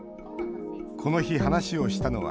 この日、話をしたのは